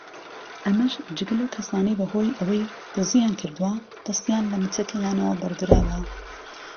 ئەمەش جگە لەو کەسانەی بەهۆی ئەوەی دزییان کردووە دەستیان لە مەچەکیانەوە بڕدراوە